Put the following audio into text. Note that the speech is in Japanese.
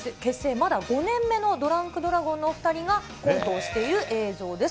まだ５年目のドランクドラゴンのお２人がコントをしている映像です。